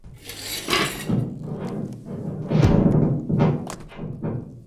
hao ni kusema maana ya ushirikiano na jirani aiheshimu